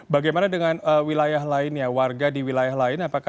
bagaimana dengan wilayah lain ya warga di wilayah lain